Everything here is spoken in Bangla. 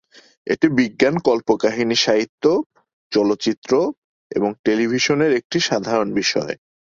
এটি বিজ্ঞান কল্পকাহিনী সাহিত্য, চলচ্চিত্র, এবং টেলিভিশনের একটি সাধারণ বিষয়।